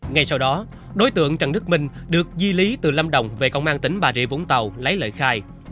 ngay sau đó đối tượng trần đức minh được di lý từ lâm đồng về công an tỉnh bà rịa vũng tàu lấy lời khai